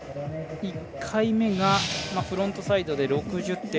１回目が、フロントサイドで６０．５０。